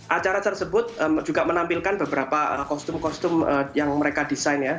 acara tersebut juga menampilkan beberapa kostum kostum yang mereka desain ya